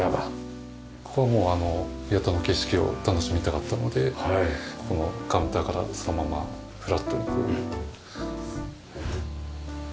ここはもう谷戸の景色を楽しみたかったのでここのカウンターからそのままフラットに。